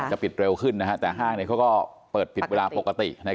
ปิดเร็วขึ้นแต่ห้างเขาก็เปิดปิดเวลาปกติ